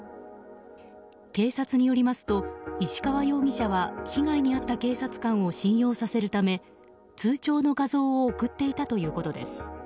警察によりますと石川容疑者は被害に遭った警察官を信用させるため通帳の画像を送っていたということです。